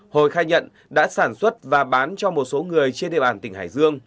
hồi khai nhận đã sản xuất và bán cho một số người trên địa bàn tỉnh hải dương